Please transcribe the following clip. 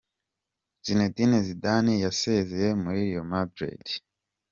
Zinedine Zidane yasezeye muri Real Madrid.